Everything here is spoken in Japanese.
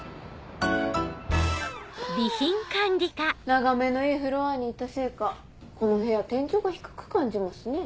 眺めのいいフロアに行ったせいかこの部屋天井が低く感じますね。